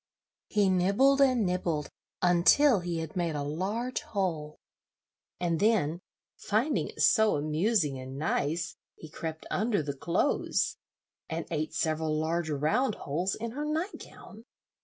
He nibbled and nibbled until he had made a large hole; and then, finding it so amusing and nice, he crept under the clothes, and ate several large round holes in her night gown.